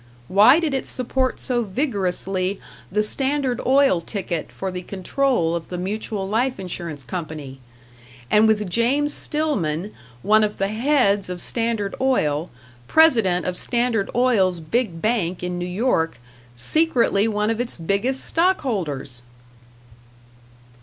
Why did it support so vigorously the Standard Oil ticket for the control of the Mutual Life Insurance Company and with James Stillman, one of the heads of Standard Oil, president of Standard Oil's big bank in New York, secretly one of its biggest stockholders!